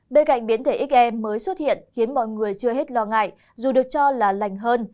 bên cạnh biến thể xm mới xuất hiện khiến mọi người chưa hết lo ngại dù được cho là lành hơn